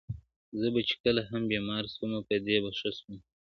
زۀ بۀ چي كله هم بېمار سومه پۀ دې بۀ ښۀ سوم,